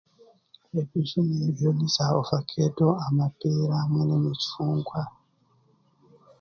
Ebijuma ebyo niza vakedo amapeera hamwe n'emicungwa